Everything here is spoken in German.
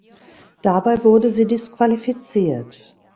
Dabei wurde sie disqualifiziert.